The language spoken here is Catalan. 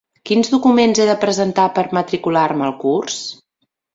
Quins documents he de presentar per matricular-me al curs?